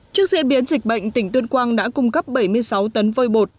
trước diễn biến dịch bệnh tỉnh tuyên quang đã cung cấp bảy mươi sáu tấn vơi bột